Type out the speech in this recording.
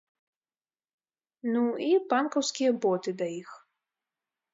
Ну, і панкаўскія боты да іх.